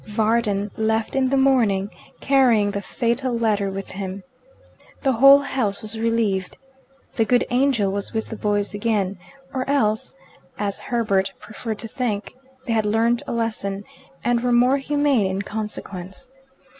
Varden left in the morning, carrying the fatal letter with him. The whole house was relieved. The good angel was with the boys again, or else (as Herbert preferred to think) they had learnt a lesson, and were more humane in consequence.